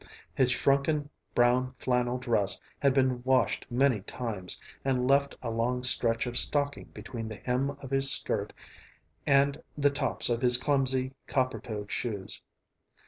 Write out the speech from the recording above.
His shrunken brown flannel dress had been washed many times and left a long stretch of stocking between the hem of his skirt and the tops of his clumsy, copper toed shoes.